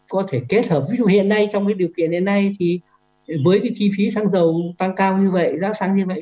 có thể kết hợp ví dụ hiện nay trong cái điều kiện hiện nay thì với cái chi phí xăng dầu tăng cao như vậy giá xăng như vậy